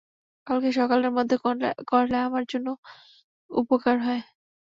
কালকে সকালের মধ্যে করলে আমার জন্য উপকার হয়।